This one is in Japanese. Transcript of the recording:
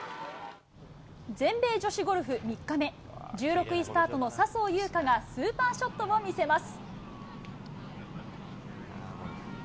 全米女子ゴルフ３日目、１６位スタートの笹生優花がスーパーショットを見せます。